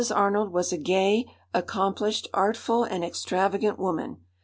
Arnold was a gay, accomplished, artful, and extravagant woman.